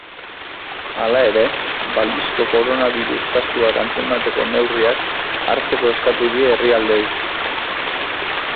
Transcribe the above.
Hala ere, balizko koronabirus kasuak antzemateko neurriak hartzeko eskatu die herrialdeei.